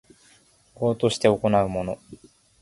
業として行うもの